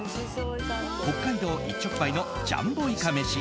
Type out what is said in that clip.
北海道一直売のジャンボいかめし。